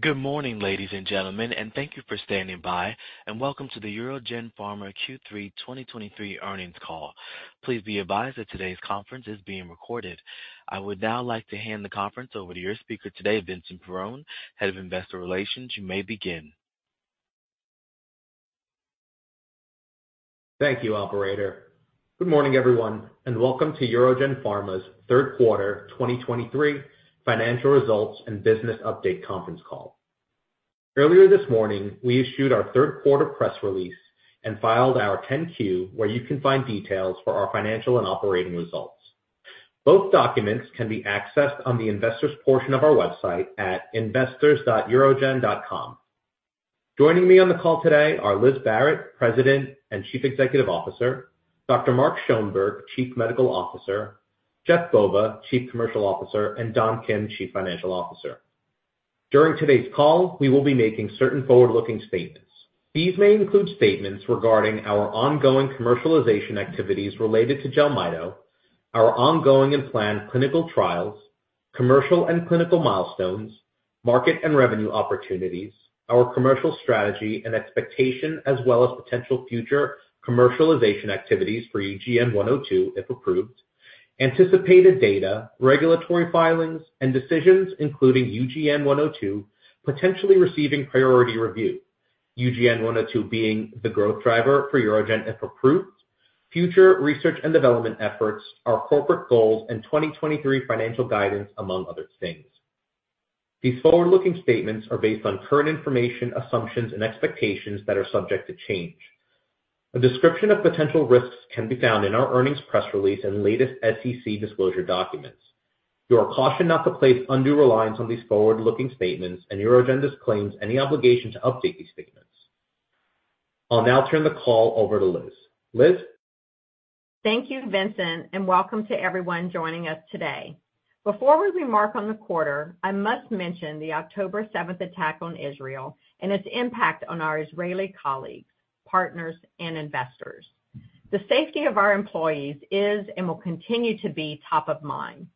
Good morning, ladies and gentlemen, and thank you for standing by, and welcome to the UroGen Pharma Q3 2023 earnings call. Please be advised that today's conference is being recorded. I would now like to hand the conference over to your speaker today, Vincent Perrone, Head of Investor Relations. You may begin. Thank you, operator. Good morning, everyone, and welcome to UroGen Pharma's third quarter 2023 financial results and business update conference call. Earlier this morning, we issued our third quarter press release and filed our 10-Q, where you can find details for our financial and operating results. Both documents can be accessed on the investors' portion of our website at investors.urogen.com. Joining me on the call today are Liz Barrett, President and Chief Executive Officer, Dr. Mark Schoenberg, Chief Medical Officer, Jeff Bova, Chief Commercial Officer, and Don Kim, Chief Financial Officer. During today's call, we will be making certain forward-looking statements. These may include statements regarding our ongoing commercialization activities related to JELMYTO, our ongoing and planned clinical trials, commercial and clinical milestones, market and revenue opportunities, our commercial strategy and expectation, as well as potential future commercialization activities for UGN-102, if approved. Anticipated data, regulatory filings and decisions, including UGN-102, potentially receiving priority review. UGN-102 being the growth driver for UroGen if approved, future research and development efforts, our corporate goals, and 2023 financial guidance, among other things. These forward-looking statements are based on current information, assumptions, and expectations that are subject to change. A description of potential risks can be found in our earnings press release and latest SEC disclosure documents. You are cautioned not to place undue reliance on these forward-looking statements and UroGen disclaims any obligation to update these statements. I'll now turn the call over to Liz. Liz? Thank you, Vincent, and welcome to everyone joining us today. Before we remark on the quarter, I must mention the October seventh attack on Israel and its impact on our Israeli colleagues, partners, and investors. The safety of our employees is and will continue to be top of mind.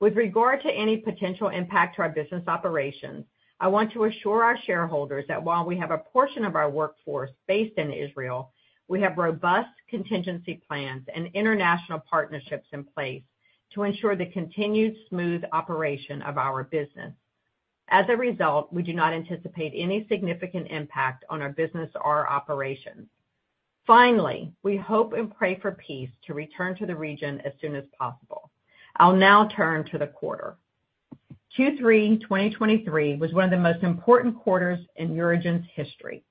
With regard to any potential impact to our business operations, I want to assure our shareholders that while we have a portion of our workforce based in Israel, we have robust contingency plans and international partnerships in place to ensure the continued smooth operation of our business. As a result, we do not anticipate any significant impact on our business or our operations. Finally, we hope and pray for peace to return to the region as soon as possible. I'll now turn to the quarter. Q3 2023 was one of the most important quarters in UroGen's history.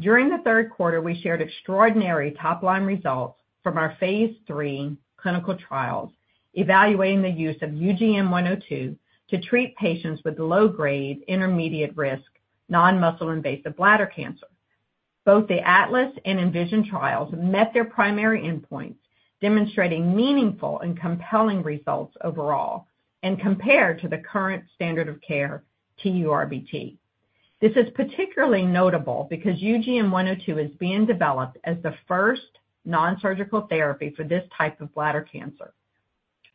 During the third quarter, we shared extraordinary top-line results from our phase 3 clinical trials, evaluating the use of UGN-102 to treat patients with low-grade, intermediate-risk, non-muscle invasive bladder cancer. Both the ATLAS and ENVISION trials met their primary endpoints, demonstrating meaningful and compelling results overall, and compared to the current standard of care, TURBT. This is particularly notable because UGN-102 is being developed as the first non-surgical therapy for this type of bladder cancer.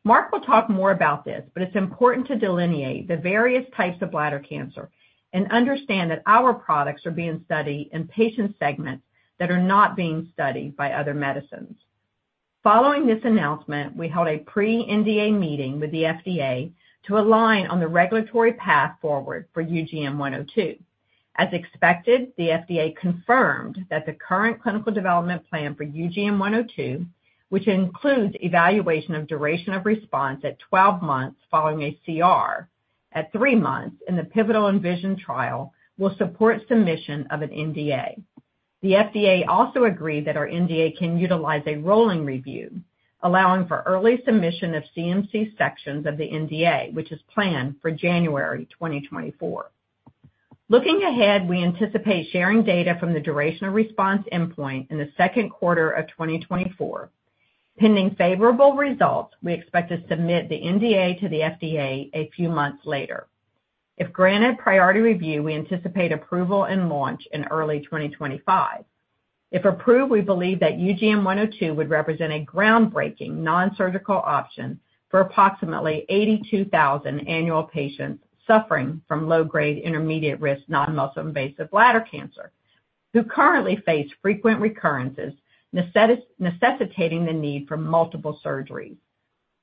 Mark will talk more about this, but it's important to delineate the various types of bladder cancer and understand that our products are being studied in patient segments that are not being studied by other medicines. Following this announcement, we held a pre-NDA meeting with the FDA to align on the regulatory path forward for UGN-102. As expected, the FDA confirmed that the current clinical development plan for UGN-102, which includes evaluation of duration of response at 12 months following a CR at 3 months in the pivotal ENVISION trial, will support submission of an NDA. The FDA also agreed that our NDA can utilize a rolling review, allowing for early submission of CMC sections of the NDA, which is planned for January 2024. Looking ahead, we anticipate sharing data from the duration of response endpoint in the second quarter of 2024. Pending favorable results, we expect to submit the NDA to the FDA a few months later. If granted priority review, we anticipate approval and launch in early 2025. If approved, we believe that UGN-102 would represent a groundbreaking non-surgical option for approximately 82,000 annual patients suffering from low-grade, intermediate-risk, non-muscle invasive bladder cancer, who currently face frequent recurrences, necessitating the need for multiple surgeries.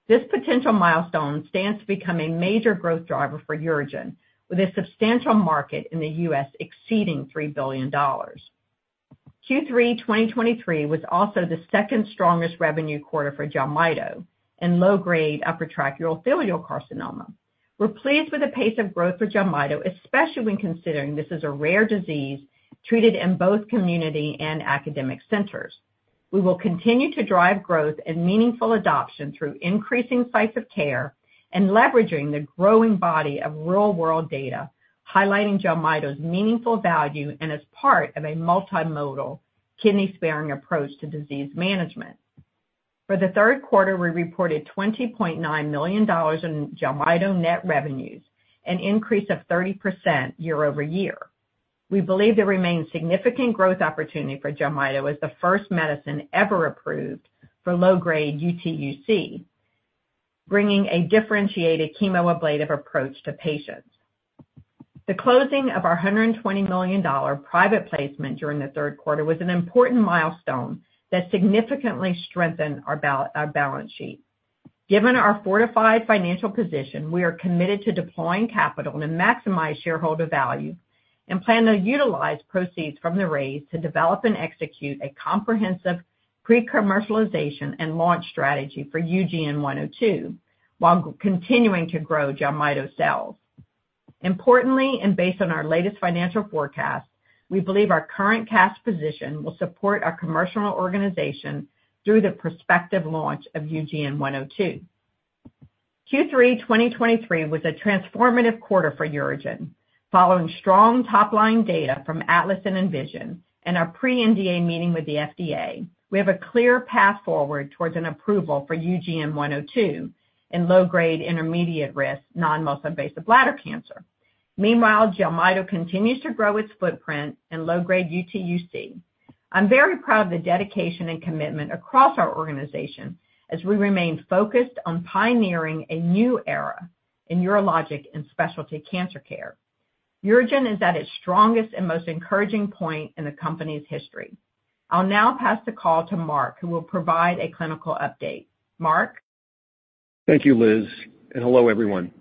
This potential milestone stands to become a major growth driver for UroGen, with a substantial market in the U.S. exceeding $3 billion. Q3 2023 was also the second strongest revenue quarter for JELMYTO in low-grade urothelial carcinoma. We're pleased with the pace of growth for JELMYTO, especially when considering this is a rare disease treated in both community and academic centers. We will continue to drive growth and meaningful adoption through increasing sites of care and leveraging the growing body of real-world data, highlighting JELMYTO's meaningful value and as part of a multimodal kidney-sparing approach to disease management. For the third quarter, we reported $20.9 million in JELMYTO net revenues, an increase of 30% year-over-year. We believe there remains significant growth opportunity for JELMYTO as the first medicine ever approved for low-grade UTUC, bringing a differentiated chemoablative approach to patients. The closing of our $120 million private placement during the third quarter was an important milestone that significantly strengthened our balance sheet. Given our fortified financial position, we are committed to deploying capital to maximize shareholder value and plan to utilize proceeds from the raise to develop and execute a comprehensive pre-commercialization and launch strategy for UGN-102, while continuing to grow JELMYTO. Importantly, and based on our latest financial forecast, we believe our current cash position will support our commercial organization through the prospective launch of UGN-102. Q3 2023 was a transformative quarter for UroGen, following strong top-line data from ATLAS and ENVISION and our pre-NDA meeting with the FDA. We have a clear path forward towards an approval for UGN-102 in low-grade intermediate-risk non-muscle invasive bladder cancer. Meanwhile, JELMYTO continues to grow its footprint in low-grade UTUC. I'm very proud of the dedication and commitment across our organization as we remain focused on pioneering a new era in urologic and specialty cancer care. UroGen is at its strongest and most encouraging point in the company's history. I'll now pass the call to Mark, who will provide a clinical update. Mark? Thank you, Liz, and hello, everyone.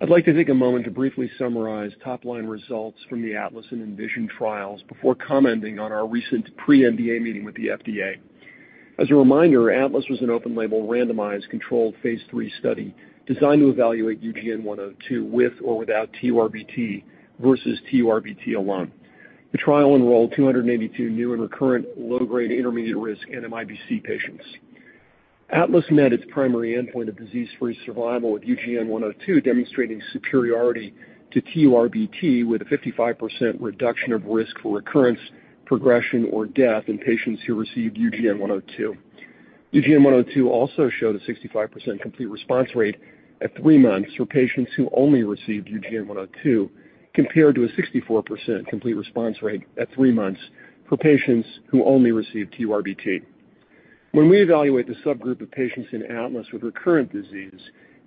I'd like to take a moment to briefly summarize top-line results from the ATLAS and ENVISION trials before commenting on our recent pre-NDA meeting with the FDA. As a reminder, ATLAS was an open-label, randomized, controlled Phase 3 study designed to evaluate UGN-102 with or without TURBT versus TURBT alone. The trial enrolled 282 new and recurrent low-grade intermediate-risk NMIBC patients. ATLAS met its primary endpoint of disease-free survival, with UGN-102 demonstrating superiority to TURBT, with a 55% reduction of risk for recurrence, progression, or death in patients who received UGN-102. UGN-102 also showed a 65% complete response rate at three months for patients who only received UGN-102, compared to a 64% complete response rate at three months for patients who only received TURBT. When we evaluate the subgroup of patients in ATLAS with recurrent disease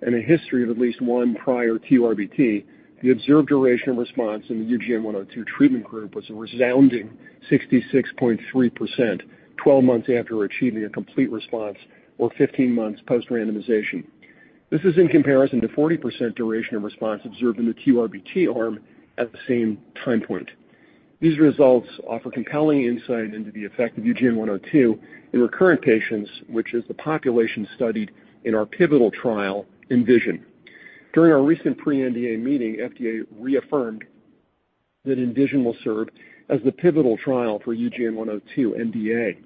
and a history of at least one prior TURBT, the observed duration of response in the UGN-102 treatment group was a resounding 66.3%, 12 months after achieving a complete response or 15 months post-randomization. This is in comparison to 40% duration of response observed in the TURBT arm at the same time point. These results offer compelling insight into the effect of UGN-102 in recurrent patients, which is the population studied in our pivotal trial, ENVISION. During our recent pre-NDA meeting, FDA reaffirmed that ENVISION will serve as the pivotal trial for UGN-102 NDA.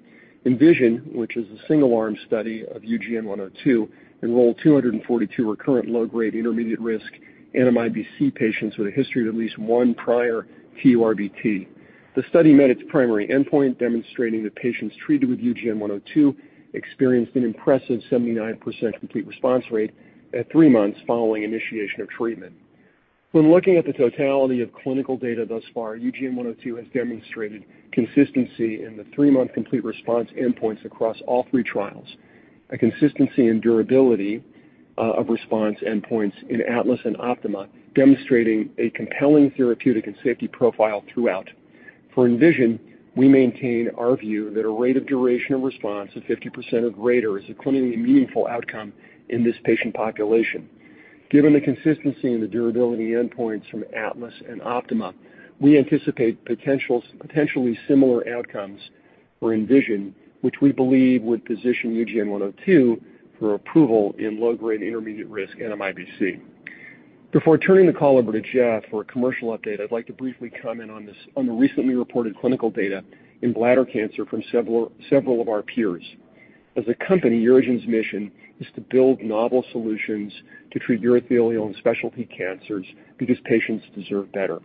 ENVISION, which is a single-arm study of UGN-102, enrolled 242 recurrent low-grade intermediate-risk NMIBC patients with a history of at least one prior TURBT. The study met its primary endpoint, demonstrating that patients treated with UGN-102 experienced an impressive 79% complete response rate at three months following initiation of treatment. When looking at the totality of clinical data thus far, UGN-102 has demonstrated consistency in the three-month complete response endpoints across all three trials, a consistency and durability of response endpoints in ATLAS and OPTIMA, demonstrating a compelling therapeutic and safety profile throughout. For ENVISION, we maintain our view that a rate of duration and response of 50% or greater is a clinically meaningful outcome in this patient population. Given the consistency and the durability endpoints from ATLAS and OPTIMA, we anticipate potentially similar outcomes for ENVISION, which we believe would position UGN-102 for approval in low-grade intermediate-risk NMIBC. Before turning the call over to Jeff for a commercial update, I'd like to briefly comment on the recently reported clinical data in bladder cancer from several of our peers. As a company, UroGen's mission is to build novel solutions to treat urothelial and specialty cancers because patients deserve better.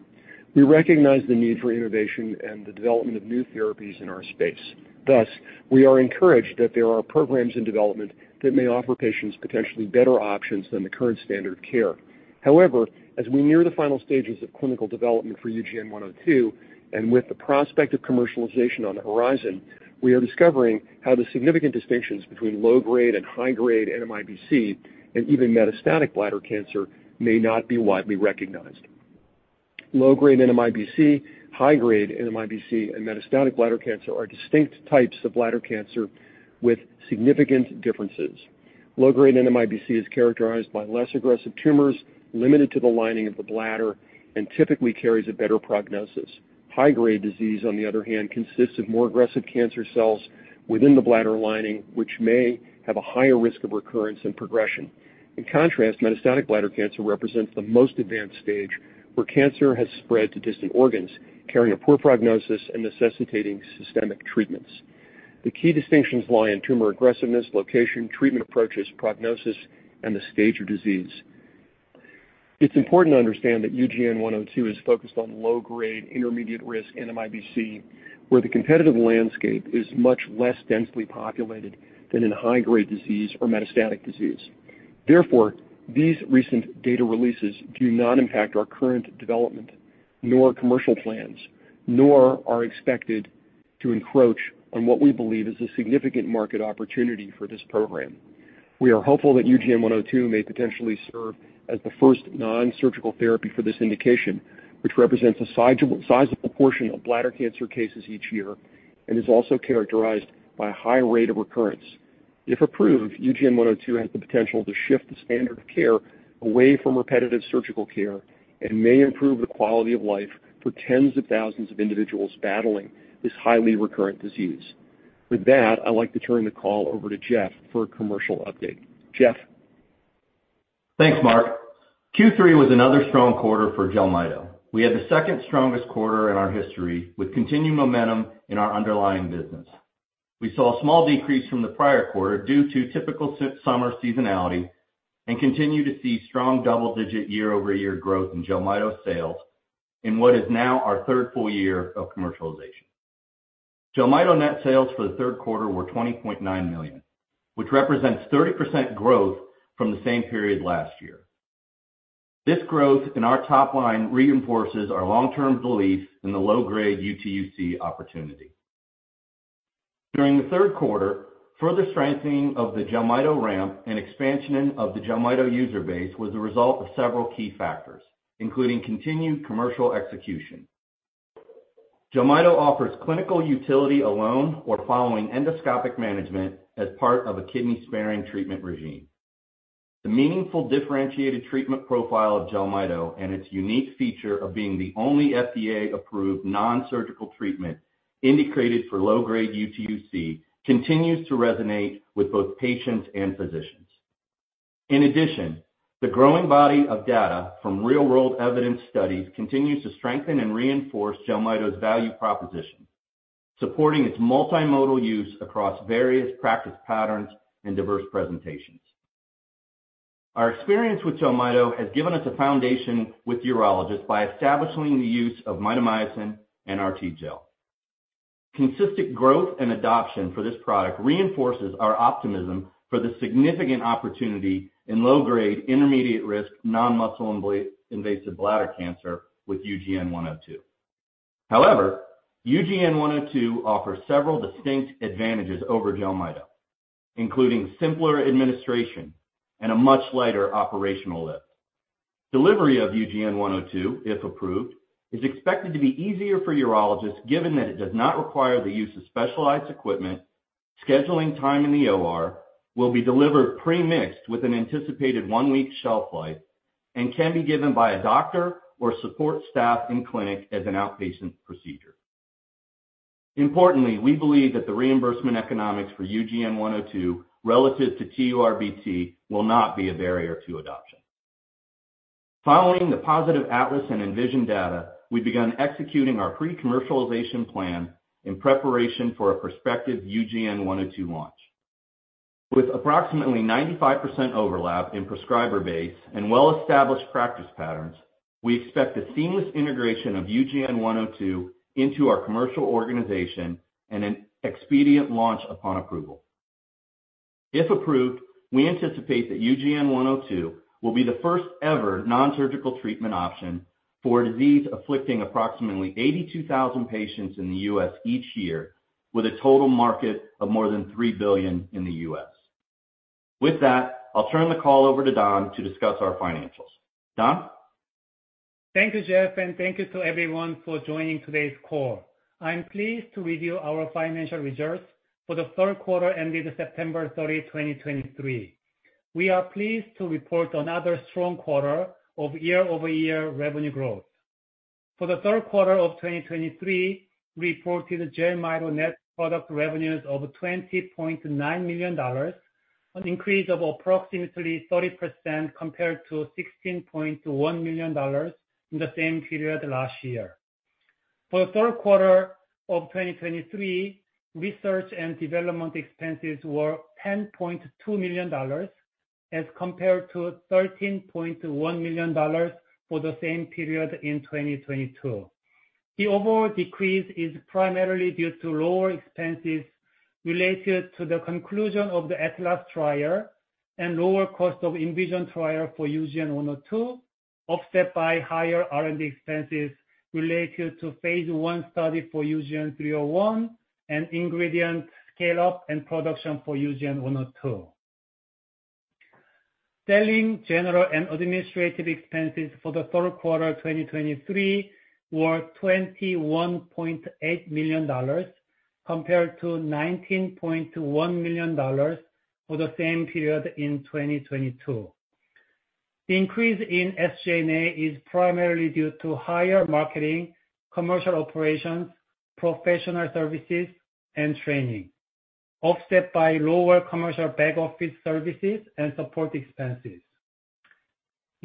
We recognize the need for innovation and the development of new therapies in our space. Thus, we are encouraged that there are programs in development that may offer patients potentially better options than the current standard of care. However, as we near the final stages of clinical development for UGN-102, and with the prospect of commercialization on the horizon, we are discovering how the significant distinctions between low-grade and high-grade NMIBC, and even metastatic bladder cancer, may not be widely recognized. Low-grade NMIBC, high-grade NMIBC, and metastatic bladder cancer are distinct types of bladder cancer with significant differences. Low-grade NMIBC is characterized by less aggressive tumors limited to the lining of the bladder and typically carries a better prognosis. High-grade disease, on the other hand, consists of more aggressive cancer cells within the bladder lining, which may have a higher risk of recurrence and progression. In contrast, metastatic bladder cancer represents the most advanced stage, where cancer has spread to distant organs, carrying a poor prognosis and necessitating systemic treatments. The key distinctions lie in tumor aggressiveness, location, treatment approaches, prognosis, and the stage of disease. It's important to understand that UGN-102 is focused on low-grade intermediate-risk NMIBC, where the competitive landscape is much less densely populated than in high-grade disease or metastatic disease. Therefore, these recent data releases do not impact our current development, nor commercial plans, nor are expected to encroach on what we believe is a significant market opportunity for this program. We are hopeful that UGN-102 may potentially serve as the first non-surgical therapy for this indication, which represents a sizable, sizable portion of bladder cancer cases each year, and is also characterized by a high rate of recurrence. If approved, UGN-102 has the potential to shift the standard of care away from repetitive surgical care, and may improve the quality of life for tens of thousands of individuals battling this highly recurrent disease. With that, I'd like to turn the call over to Jeff for a commercial update. Jeff? Thanks, Mark. Q3 was another strong quarter for JELMYTO. We had the second strongest quarter in our history, with continued momentum in our underlying business. We saw a small decrease from the prior quarter due to typical summer seasonality, and continue to see strong double-digit year-over-year growth in JELMYTO sales in what is now our third full year of commercialization. JELMYTO net sales for the third quarter were $20.9 million, which represents 30% growth from the same period last year. This growth in our top line reinforces our long-term belief in the low-grade UTUC opportunity. During the third quarter, further strengthening of the JELMYTO ramp and expansion of the JELMYTO user base was the result of several key factors, including continued commercial execution. JELMYTO offers clinical utility alone or following endoscopic management as part of a kidney-sparing treatment regimen. The meaningful differentiated treatment profile of JELMYTO and its unique feature of being the only FDA-approved non-surgical treatment indicated for low-grade UTUC continues to resonate with both patients and physicians. In addition, the growing body of data from real-world evidence studies continues to strengthen and reinforce JELMYTO's value proposition, supporting its multimodal use across various practice patterns and diverse presentations. Our experience with JELMYTO has given us a foundation with urologists by establishing the use of mitomycin and RTGel. Consistent growth and adoption for this product reinforces our optimism for the significant opportunity in low-grade, intermediate-risk, non-muscle invasive bladder cancer with UGN-102. However, UGN-102 offers several distinct advantages over JELMYTO, including simpler administration and a much lighter operational lift. Delivery of UGN-102, if approved, is expected to be easier for urologists, given that it does not require the use of specialized equipment, scheduling time in the OR, will be delivered pre-mixed with an anticipated one-week shelf life, and can be given by a doctor or support staff in clinic as an outpatient procedure. Importantly, we believe that the reimbursement economics for UGN-102 relative to TURBT will not be a barrier to adoption. Following the positive ATLAS and ENVISION data, we've begun executing our pre-commercialization plan in preparation for a prospective UGN-102 launch. With approximately 95% overlap in prescriber base and well-established practice patterns, we expect a seamless integration of UGN-102 into our commercial organization and an expedient launch upon approval. If approved, we anticipate that UGN-102 will be the first-ever non-surgical treatment option for a disease afflicting approximately 82,000 patients in the U.S. each year, with a total market of more than $3 billion in the U.S. With that, I'll turn the call over to Don to discuss our financials. Don? Thank you, Jeff, and thank you to everyone for joining today's call. I'm pleased to review our financial results for the third quarter ended September 30, 2023. We are pleased to report another strong quarter of year-over-year revenue growth. For the third quarter of 2023, we reported JELMYTO net product revenues of $20.9 million, an increase of approximately 30% compared to $16.1 million in the same period last year. For the third quarter of 2023, research and development expenses were $10.2 million, as compared to $13.1 million for the same period in 2022. The overall decrease is primarily due to lower expenses related to the conclusion of the ATLAS trial and lower cost of ENVISION trial for UGN-102, offset by higher R&D expenses related to phase 1 study for UGN-301 and ingredient scale-up and production for UGN-102. Selling, general, and administrative expenses for the third quarter 2023 were $21.8 million, compared to $19.1 million for the same period in 2022. The increase in SG&A is primarily due to higher marketing, commercial operations, professional services, and training, offset by lower commercial back-office services and support expenses.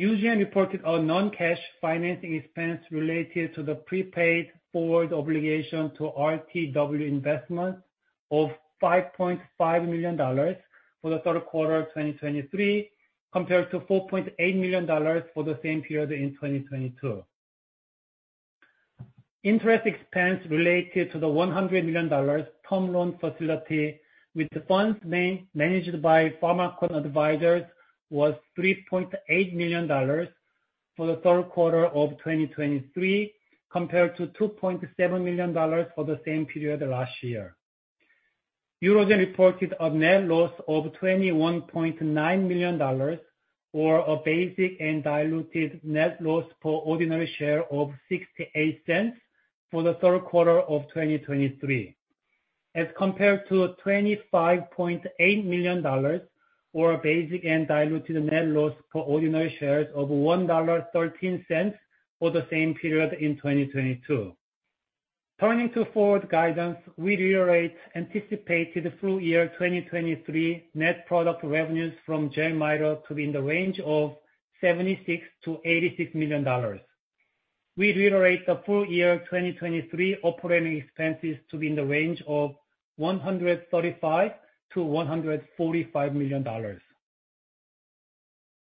UGN reported a non-cash financing expense related to the prepaid forward obligation to RTW Investments of $5.5 million for the third quarter of 2023, compared to $4.8 million for the same period in 2022. Interest expense related to the $100 million term loan facility with the funds managed by Pharmakon Advisors was $3.8 million for the third quarter of 2023, compared to $2.7 million for the same period last year. UroGen reported a net loss of $21.9 million or a basic and diluted net loss per ordinary share of $0.68 for the third quarter of 2023, as compared to $25.8 million or a basic and diluted net loss per ordinary shares of $1.13 for the same period in 2022. Turning to forward guidance, we reiterate anticipated full year 2023 net product revenues from JELMYTO to be in the range of $76 million-$86 million. We reiterate the full year 2023 operating expenses to be in the range of $135 million-$145 million.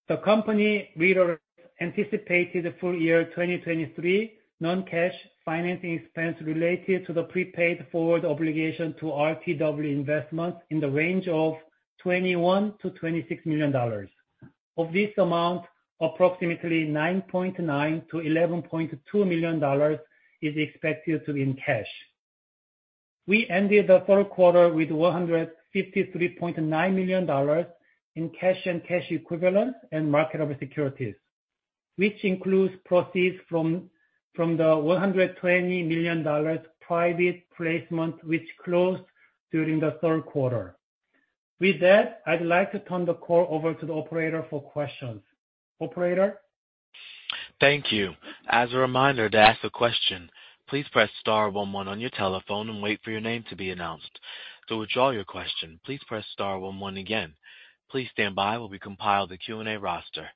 The company reiterate anticipated full year 2023 non-cash financing expense related to the prepaid forward obligation to RTW Investments in the range of $21 million-$26 million. Of this amount, approximately $9.9 million-$11.2 million is expected to be in cash. We ended the third quarter with $153.9 million in cash and cash equivalents and marketable securities, which includes proceeds from the $120 million private placement, which closed during the third quarter. With that, I'd like to turn the call over to the operator for questions. Operator? Thank you. As a reminder, to ask a question, please press star one one on your telephone and wait for your name to be announced. To withdraw your question, please press star one one again. Please stand by while we compile the Q&A roster.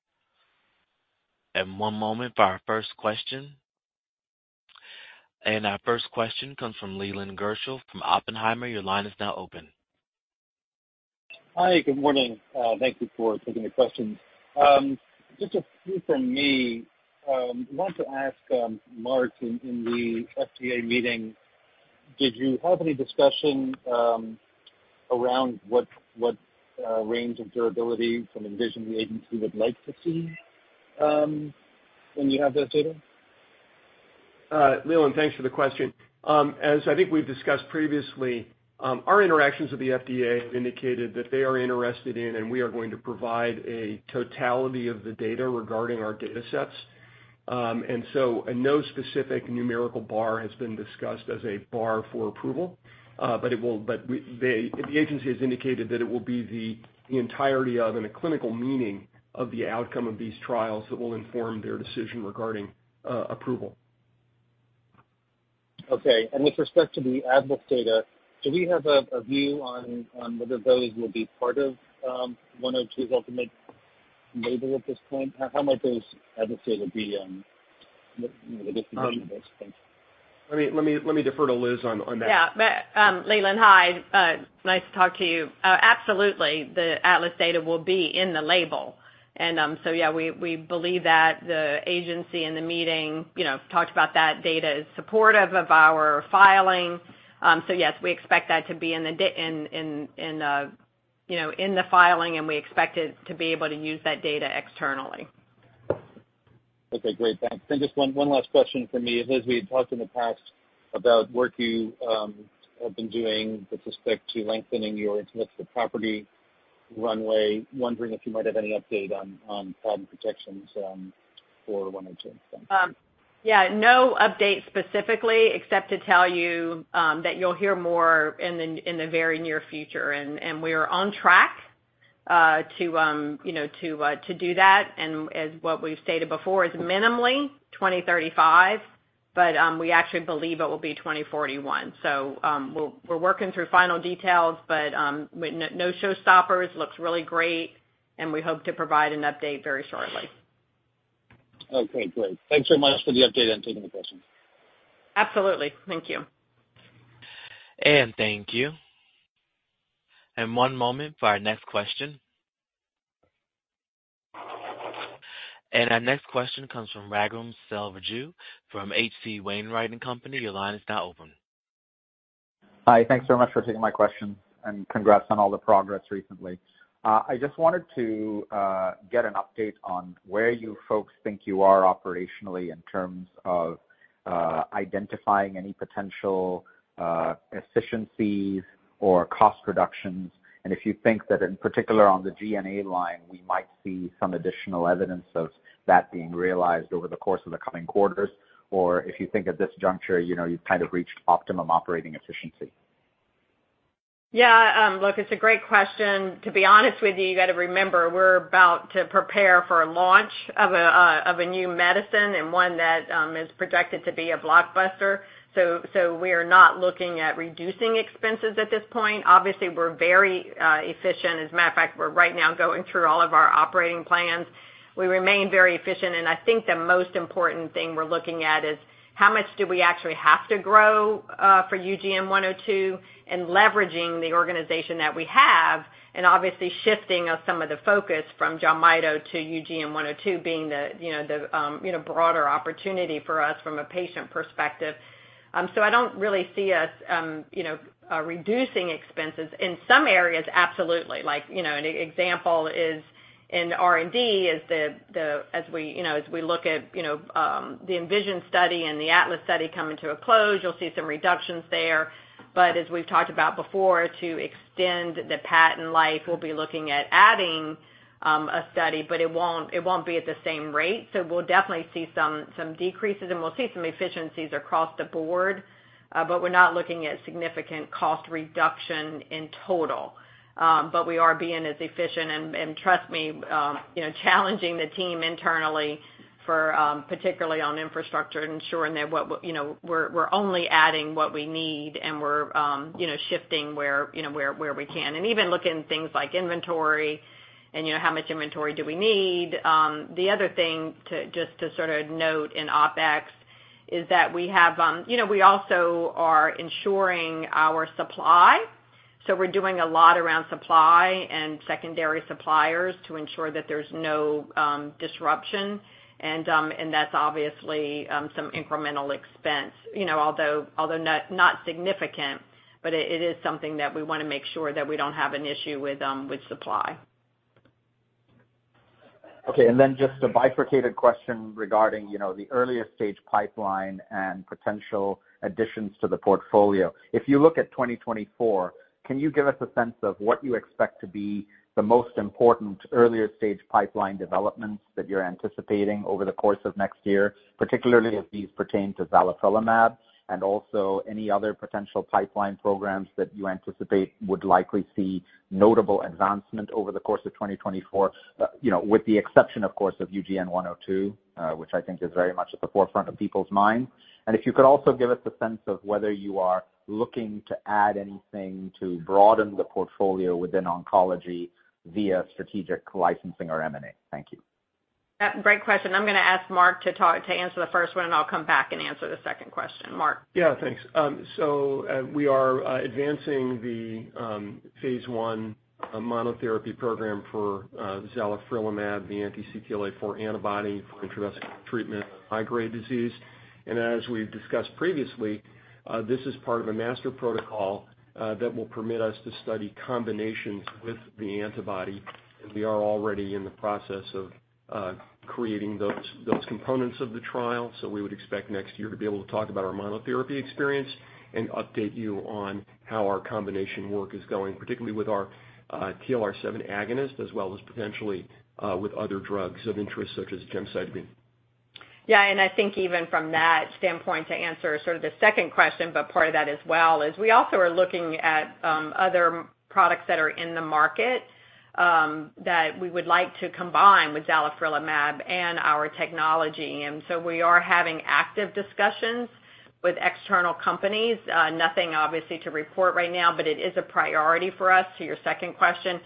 One moment for our first question. Our first question comes from Leland Gershell from Oppenheimer. Your line is now open. Hi, good morning. Thank you for taking the question. Just a few from me. Want to ask, Mark, in the FDA meeting, did you have any discussion around what range of durability from ENVISION the agency would like to see when you have that data? Leland, thanks for the question. As I think we've discussed previously, our interactions with the FDA have indicated that they are interested in, and we are going to provide a totality of the data regarding our datasets. And so no specific numerical bar has been discussed as a bar for approval, but the agency has indicated that it will be the entirety of and a clinical meaning of the outcome of these trials that will inform their decision regarding approval. Okay. And with respect to the ATLAS data, do we have a view on whether those will be part of one oh two's ultimate label at this point? How might those ATLAS data be, you know, the distribution of those things? Let me defer to Liz on that. Yeah. But, Leland, hi, nice to talk to you. Absolutely, the ATLAS data will be in the label. And, so yeah, we, we believe that the agency in the meeting, you know, talked about that data is supportive of our filing. So yes, we expect that to be in the filing, and we expect it to be able to use that data externally. Okay, great. Thanks. Just one last question for me. Liz, we had talked in the past about work you have been doing with respect to lengthening your intellectual property runway. Wondering if you might have any update on patent protections for 102. Yeah, no update specifically, except to tell you that you'll hear more in the very near future. And we are on track to you know to do that, and as what we've stated before, is minimally 2035, but we actually believe it will be 2041. So, we're working through final details, but no showstoppers, looks really great, and we hope to provide an update very shortly. Okay, great. Thanks so much for the update and taking the question. Absolutely. Thank you. Thank you. One moment for our next question. Our next question comes from Raghuram Selvaraju from H.C. Wainwright & Co. Your line is now open. Hi, thanks so much for taking my question, and congrats on all the progress recently. I just wanted to get an update on where you folks think you are operationally in terms of identifying any potential efficiencies or cost reductions. If you think that, in particular, on the G&A line, we might see some additional evidence of that being realized over the course of the coming quarters, or if you think at this juncture, you know, you've kind of reached optimum operating efficiency. Yeah, look, it's a great question. To be honest with you, you got to remember, we're about to prepare for a launch of a new medicine and one that is projected to be a blockbuster. So we are not looking at reducing expenses at this point. Obviously, we're very efficient. As a matter of fact, we're right now going through all of our operating plans. We remain very efficient, and I think the most important thing we're looking at is how much do we actually have to grow for UGN-102 and leveraging the organization that we have, and obviously shifting of some of the focus from JELMYTO to UGN-102 being the, you know, the, you know, broader opportunity for us from a patient perspective. So I don't really see us, you know, reducing expenses. In some areas, absolutely. Like, you know, an example is in R&D, as we, you know, as we look at, you know, the ENVISION study and the ATLAS study coming to a close, you'll see some reductions there. But as we've talked about before, to extend the patent life, we'll be looking at adding a study, but it won't be at the same rate. So we'll definitely see some decreases, and we'll see some efficiencies across the board, but we're not looking at significant cost reduction in total. But we are being as efficient, and trust me, you know, challenging the team internally for particularly on infrastructure and ensuring that what, you know, we're only adding what we need, and we're, you know, shifting where we can. And even looking at things like inventory and, you know, how much inventory do we need? The other thing to, just to sort of note in OpEx is that we have, you know, we also are ensuring our supply. So we're doing a lot around supply and secondary suppliers to ensure that there's no, disruption, and, and that's obviously, some incremental expense. You know, although, although not, not significant, but it, it is something that we wanna make sure that we don't have an issue with, with supply. Okay, and then just a bifurcated question regarding, you know, the earlier stage pipeline and potential additions to the portfolio. If you look at 2024, can you give us a sense of what you expect to be the most important earlier-stage pipeline developments that you're anticipating over the course of next year, particularly if these pertain to zalifrelimab? And also any other potential pipeline programs that you anticipate would likely see notable advancement over the course of 2024, you know, with the exception, of course, of UGN-102, which I think is very much at the forefront of people's minds. And if you could also give us a sense of whether you are looking to add anything to broaden the portfolio within oncology via strategic licensing or M&A. Thank you. Great question. I'm gonna ask Mark to talk to answer the first one, and I'll come back and answer the second question. Mark? Yeah, thanks. So, we are advancing the phase 1 monotherapy program for zalifrelimab, the anti-CTLA-4 antibody for intravenous treatment of high-grade disease. As we've discussed previously, this is part of a master protocol that will permit us to study combinations with the antibody, and we are already in the process of creating those components of the trial. So we would expect next year to be able to talk about our monotherapy experience and update you on how our combination work is going, particularly with our TLR7 agonist, as well as potentially with other drugs of interest, such as gemcitabine. Yeah, and I think even from that standpoint, to answer sort of the second question, but part of that as well, is we also are looking at other products that are in the market that we would like to combine with Zalifrelimab and our technology. And so we are having active discussions with external companies. Nothing obviously to report right now, but it is a priority for us. To your second question,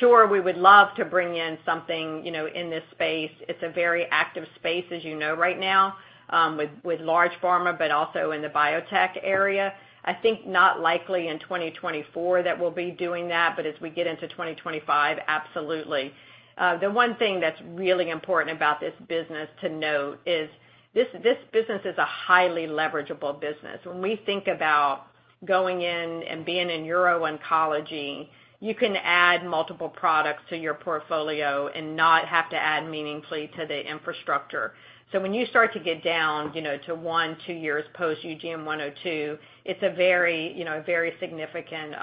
sure, we would love to bring in something, you know, in this space. It's a very active space, as you know, right now, with large pharma, but also in the biotech area. I think not likely in 2024 that we'll be doing that, but as we get into 2025, absolutely. The one thing that's really important about this business to note is this, this business is a highly leverageable business. When we think about going in and being in uro-oncology, you can add multiple products to your portfolio and not have to add meaningfully to the infrastructure. So when you start to get down, you know, to one, two years post UGN-102, it's a very, you know, very significant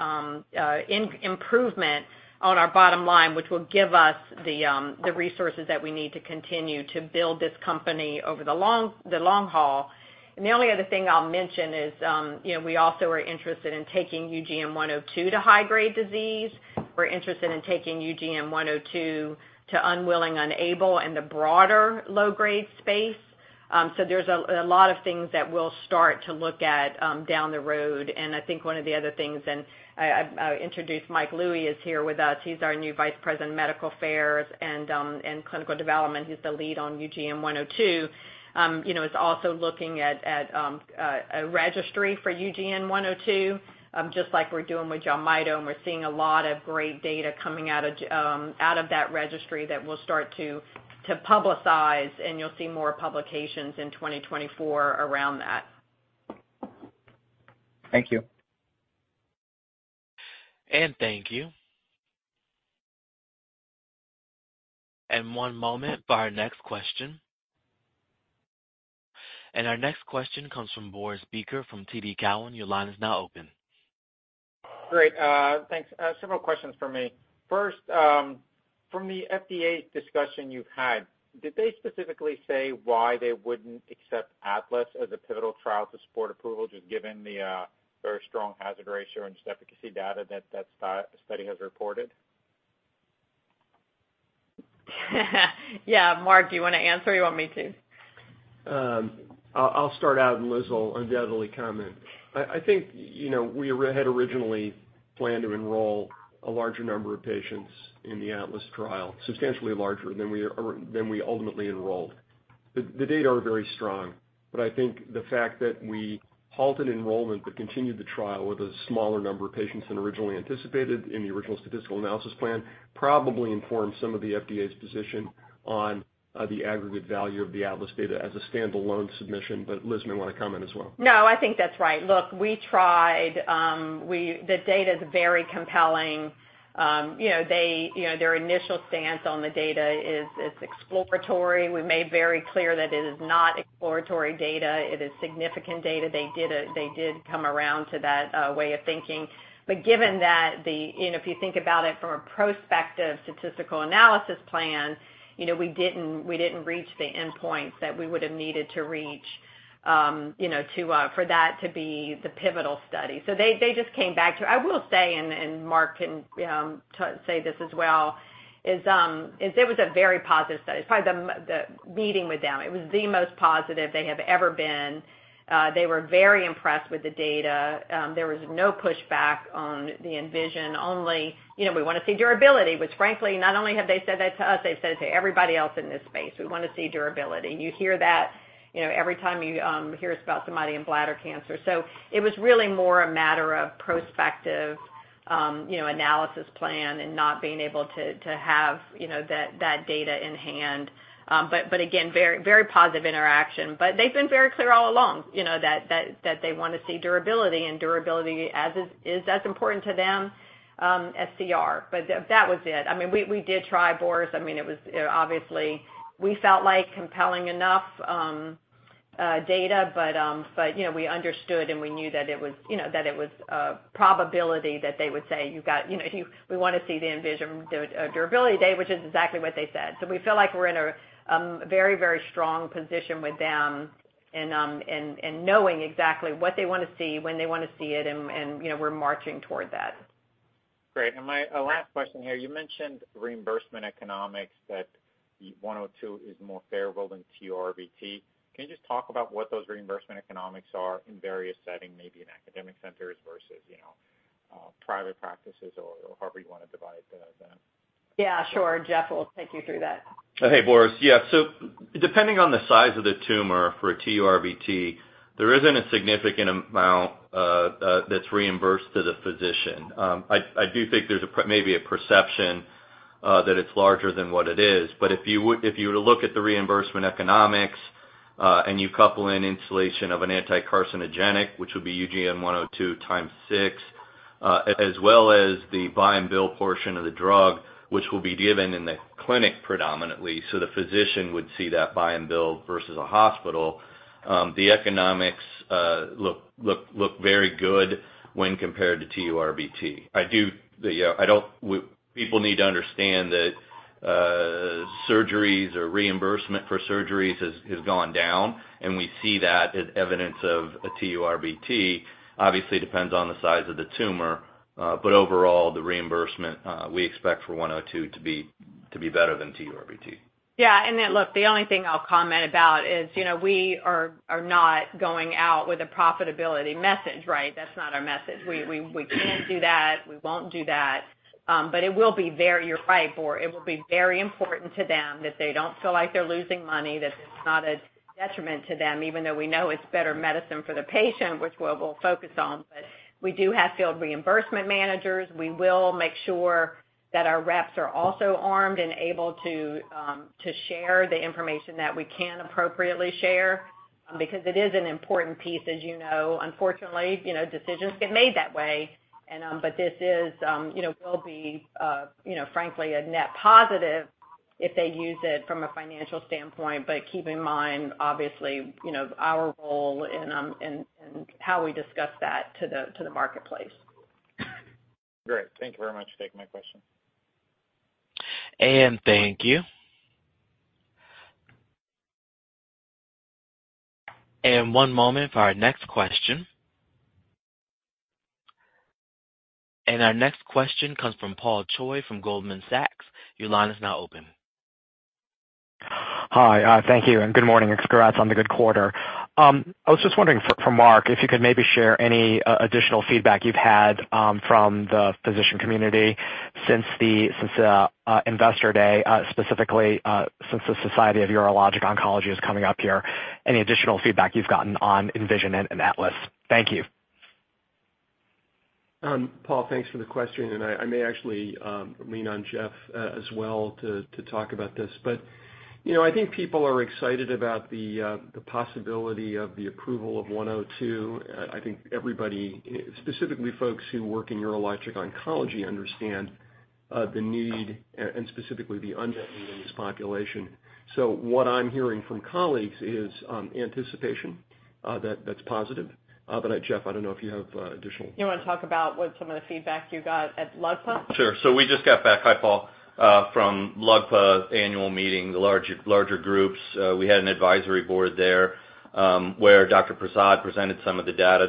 improvement on our bottom line, which will give us the resources that we need to continue to build this company over the long haul. And the only other thing I'll mention is, you know, we also are interested in taking UGN-102 to high-grade disease. We're interested in taking UGN-102 to unwilling, unable, and the broader low-grade space. So there's a lot of things that we'll start to look at down the road. And I think one of the other things I introduced, Michael Louie, is here with us. He's our new Vice President, Medical Affairs and Clinical Development, who's the lead on UGN-102. You know, is also looking at a registry for UGN-102, just like we're doing with JELMYTO, and we're seeing a lot of great data coming out of that registry that we'll start to publicize, and you'll see more publications in 2024 around that. Thank you. Thank you. One moment for our next question. Our next question comes from Boris Peaker from TD Cowen. Your line is now open. Great, thanks. Several questions for me. First, from the FDA discussion you've had, did they specifically say why they wouldn't accept ATLAS as a pivotal trial to support approval, just given the very strong hazard ratio and just efficacy data that study has reported? Yeah, Mark, do you wanna answer or you want me to? I'll start out, and Liz will undoubtedly comment. I think, you know, we had originally planned to enroll a larger number of patients in the ATLAS trial, substantially larger than we ultimately enrolled. The data are very strong, but I think the fact that we halted enrollment but continued the trial with a smaller number of patients than originally anticipated in the original statistical analysis plan, probably informed some of the FDA's position on the aggregate value of the ATLAS data as a standalone submission. But Liz may want to comment as well. No, I think that's right. Look, we tried, the data is very compelling. You know, they, you know, their initial stance on the data is it's exploratory. We made very clear that it is not exploratory data, it is significant data. They did, they did come around to that way of thinking. But given that the, and if you think about it from a prospective statistical analysis plan, you know, we didn't, we didn't reach the endpoints that we would have needed to reach, you know, to for that to be the pivotal study. So they, they just came back to... I will say, and, and Mark can say this as well, is, is it was a very positive study. Probably the meeting with them, it was the most positive they have ever been. They were very impressed with the data. There was no pushback on the ENVISION, only, you know, "We want to see durability," which frankly, not only have they said that to us, they've said to everybody else in this space, "We want to see durability." You hear that, you know, every time you hear about somebody in bladder cancer. So it was really more a matter of prospective, you know, analysis plan and not being able to have, you know, that data in hand. But again, very, very positive interaction. But they've been very clear all along, you know, that they want to see durability, and durability is as important to them as CR. But that was it. I mean, we did try, Boris. I mean, it was, obviously, we felt like compelling enough, data, but, but, you know, we understood and we knew that it was, you know, that it was a probability that they would say, "You've got, you know, if you-- we want to see the ENVISION, the, durability data," which is exactly what they said. So we feel like we're in a, very, very strong position with them and, and, and knowing exactly what they want to see, when they want to see it, and, and, you know, we're marching toward that. Great. And my last question here. You mentioned reimbursement economics, that the UGN-102 is more favorable than TURBT. Can you just talk about what those reimbursement economics are in various settings, maybe in academic centers versus, you know, private practices or however you want to divide them? Yeah, sure. Jeff will take you through that. Hey, Boris. Yeah, so depending on the size of the tumor for TURBT, there isn't a significant amount that's reimbursed to the physician. I do think there's a per- maybe a perception that it's larger than what it is. But if you would, if you were to look at the reimbursement economics, and you couple in instillation of an anti-carcinogenic, which would be UGN-102 times six, as well as the buy and bill portion of the drug, which will be given in the clinic predominantly, so the physician would see that buy and bill versus a hospital, the economics look very good when compared to TURBT. I do, I don't-- we... People need to understand that, surgeries or reimbursement for surgeries has gone down, and we see that as evidence of a TURBT. Obviously, it depends on the size of the tumor, but overall, the reimbursement we expect for UGN-102 to be better than TURBT. Yeah. And then, look, the only thing I'll comment about is, you know, we are, are not going out with a profitability message, right? That's not our message. We, we, we can't do that. We won't do that. But it will be very... You're right, Boris. It will be very important to them that they don't feel like they're losing money, that it's not a detriment to them, even though we know it's better medicine for the patient, which we'll, we'll focus on. But we do have field reimbursement managers. We will make sure that our reps are also armed and able to, to share the information that we can appropriately share, because it is an important piece, as you know. Unfortunately, you know, decisions get made that way. But this is, you know, will be, you know, frankly, a net positive if they use it from a financial standpoint. But keep in mind, obviously, you know, our role and how we discuss that to the marketplace. Great. Thank you very much for taking my question. Thank you. One moment for our next question. Our next question comes from Paul Choi from Goldman Sachs. Your line is now open. Hi, thank you, and good morning, and congrats on the good quarter. I was just wondering for, from Mark, if you could maybe share any, additional feedback you've had, from the physician community since the, since the Investor Day, specifically, since the Society of Urologic Oncology is coming up here, any additional feedback you've gotten on ENVISION and ATLAS? Thank you. Paul, thanks for the question, and I may actually lean on Jeff as well to talk about this. But, you know, I think people are excited about the possibility of the approval of 102. I think everybody, specifically folks who work in urologic oncology, understand the need and specifically the unmet need in this population. So what I'm hearing from colleagues is anticipation that's positive. But Jeff, I don't know if you have additional- You want to talk about what some of the feedback you got at LUGPA? Sure. So we just got back, hi, Paul, from LUGPA annual meeting, the larger groups. We had an advisory board there, where Dr. Prasad presented some of the data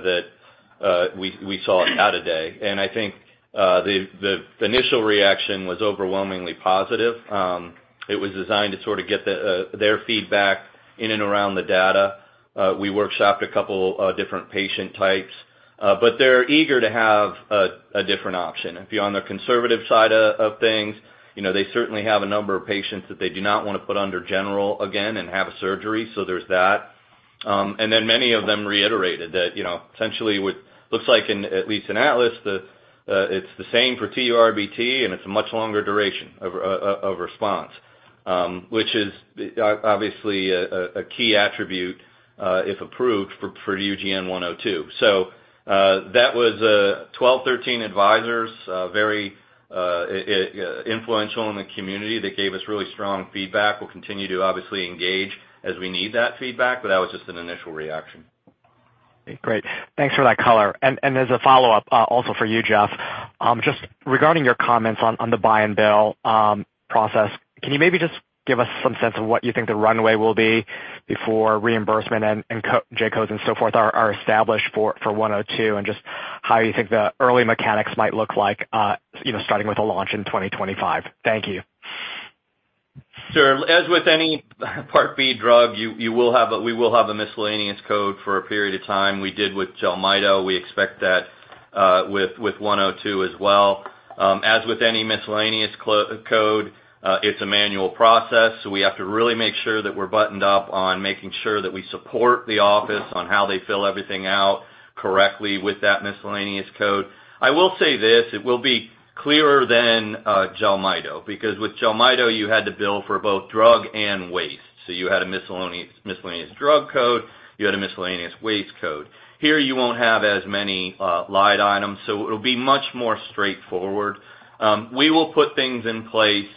that we saw at AUA. And I think the initial reaction was overwhelmingly positive. It was designed to sort of get their feedback in and around the data. We workshopped a couple different patient types, but they're eager to have a different option. If you're on the conservative side of things, you know, they certainly have a number of patients that they do not want to put under general again and have a surgery, so there's that. And then many of them reiterated that, you know, essentially, what looks like in at least ATLAS, it's the same for TURBT, and it's a much longer duration of response, which is obviously a key attribute if approved for UGN-102. So, that was 12, 13 advisors, very influential in the community. They gave us really strong feedback. We'll continue to obviously engage as we need that feedback, but that was just an initial reaction. Great. Thanks for that color. And as a follow-up, also for you, Jeff, just regarding your comments on the buy and bill process, can you maybe just give us some sense of what you think the runway will be before reimbursement and coding J-codes and so forth are established for 102, and just how you think the early mechanics might look like, you know, starting with a launch in 2025? Thank you. Sure. As with any Part B drug, you will have a—we will have a miscellaneous code for a period of time. We did with JELMYTO. We expect that with 102 as well. As with any miscellaneous code, it's a manual process, so we have to really make sure that we're buttoned up on making sure that we support the office on how they fill everything out correctly with that miscellaneous code. I will say this, it will be clearer than JELMYTO, because with JELMYTO, you had to bill for both drug and waste. So you had a miscellaneous drug code, you had a miscellaneous waste code. Here, you won't have as many line items, so it'll be much more straightforward. We will put things in place,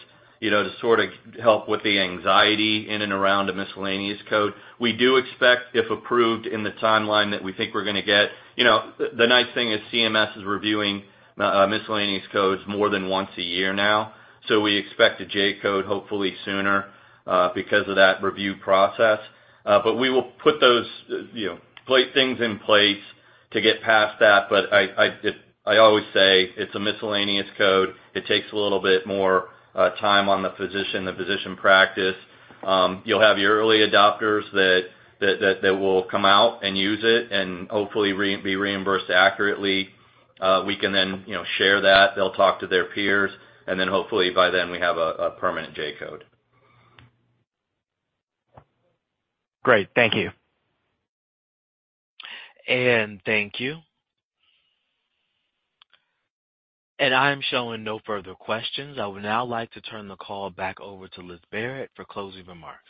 you know, to sort of help with the anxiety in and around a miscellaneous code. We do expect, if approved in the timeline that we think we're gonna get. You know, the nice thing is CMS is reviewing miscellaneous codes more than once a year now. So we expect a J-code hopefully sooner because of that review process. But we will put those, you know, put things in place to get past that. But I always say, it's a miscellaneous code. It takes a little bit more time on the physician practice. You'll have your early adopters that will come out and use it and hopefully be reimbursed accurately. We can then, you know, share that. They'll talk to their peers, and then hopefully by then, we have a permanent J-code. Great. Thank you. Thank you. I'm showing no further questions. I would now like to turn the call back over to Liz Barrett for closing remarks.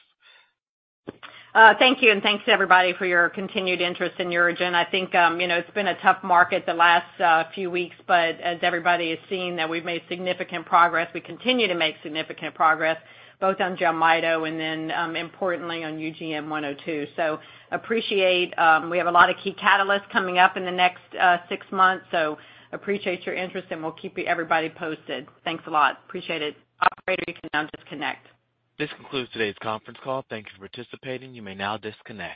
Thank you, and thanks to everybody for your continued interest in UroGen. I think, you know, it's been a tough market the last few weeks, but as everybody has seen, that we've made significant progress. We continue to make significant progress, both on JELMYTO and then, importantly, on UGN-102. So appreciate, we have a lot of key catalysts coming up in the next six months, so appreciate your interest, and we'll keep everybody posted. Thanks a lot. Appreciate it. Operator, you can now disconnect. This concludes today's conference call. Thank you for participating. You may now disconnect.